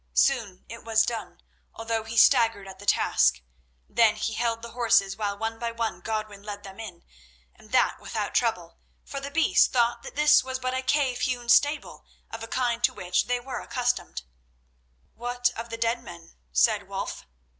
Soon it was done, although he staggered at the task; then he held the horses, while one by one Godwin led them in, and that without trouble, for the beasts thought that this was but a cave hewn stable of a kind to which they were accustomed. "What of the dead men?" said Wulf.